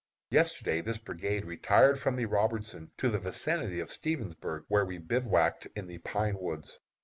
Yesterday this brigade retired from the Robertson to the vicinity of Stevensburg, where we bivouacked in the pine woods.